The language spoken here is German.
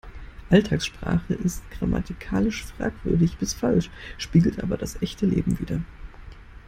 Alltagssprache ist grammatikalisch fragwürdig bis falsch, spiegelt aber das echte Leben wider.